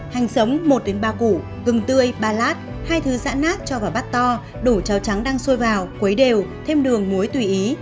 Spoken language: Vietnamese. hành sống một ba củ gừng tươi ba lát hai thứ dã nát cho vào bát to đổ cháo trắng đang sôi vào quấy đều thêm đường muối tùy ý